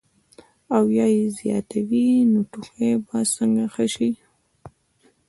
او يا ئې زياتوي نو ټوخی به څنګ ښۀ شي -